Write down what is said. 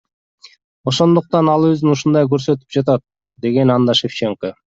Ошондуктан ал өзүн ушундай көрсөтүп жатат, — деген анда Шевченко.